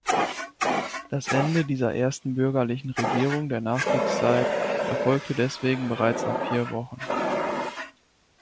Das Ende dieser ersten bürgerlichen Regierung der Nachkriegszeit erfolgte deswegen bereits nach vier Wochen.